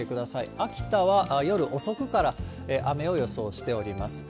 秋田は夜遅くから雨を予想しております。